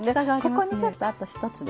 ここにちょっとあと１つですね。